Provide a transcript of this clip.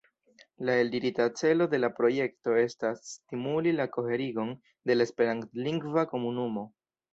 La eldirita celo de la projekto estas "stimuli la koherigon de la esperantlingva komunumo".